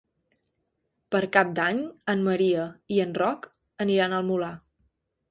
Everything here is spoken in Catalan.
Per Cap d'Any en Maria i en Roc aniran al Molar.